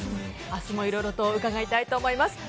明日もいろいろと伺いたいと思います。